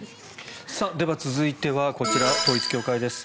では続いてはこちら統一教会です。